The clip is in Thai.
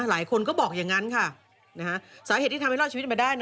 หลายคนก็บอกอย่างนั้นค่ะสาเหตุที่ทำให้รอดชีวิตมาได้